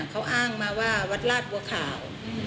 เขาอ้างมาว่าวัดราชบัวขาว